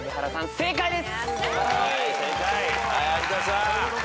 正解です。